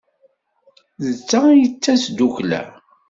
D ta ay d tasdukla.